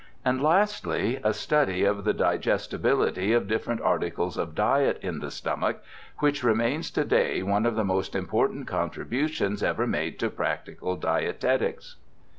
And lastly, a study of the digestibility of different articles of diet in the stomach, which remains to da}' one of the most important contributions ever made to practical dietetics.